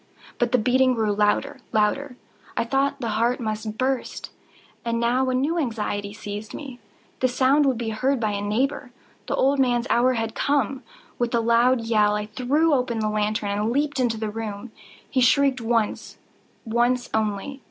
But the beating grew louder, louder! I thought the heart must burst. And now a new anxiety seized me—the sound would be heard by a neighbour! The old man's hour had come! With a loud yell, I threw open the lantern and leaped into the room. He shrieked once—once only.